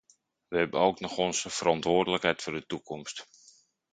We hebben ook nog onze verantwoordelijkheid voor de toekomst.